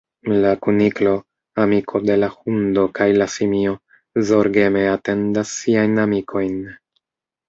La kuniklo, amiko de la hundo kaj la simio, zorgeme atendas siajn amikojn.